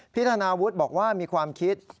ธนาวุฒิบอกว่ามีความคิด